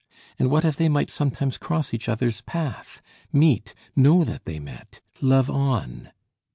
And what if they might sometimes cross each other's path, meet, know that they met, love on?